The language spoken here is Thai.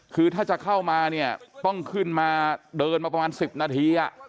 คือถ้าจะเข้ามาเนี่ยต้องขึ้นมาเดินมาประมาณ๑๐นาที